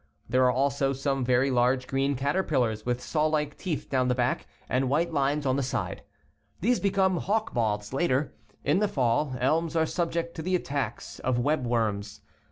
There are also some very large green cater pillars with sawlike teeth down the back and white lines on the sides. These become hawk moths, later: In the fall, elms are subject to the attacks of web worms.